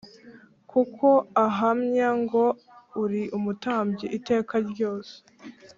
Kuko ahamywa ngo uri umutambyi iteka ryose